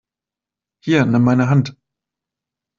Hier, nimm meine Hand!